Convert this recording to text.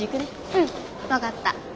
うん分かった。